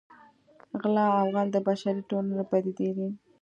غلا او غل د بشري ټولنې پدیدې دي